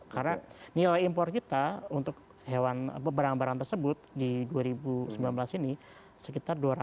karena nilai impor kita untuk barang barang tersebut di dua ribu sembilan belas ini sekitar dua ratus tiga puluh